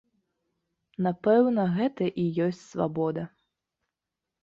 Напэўна, гэта і ёсць свабода.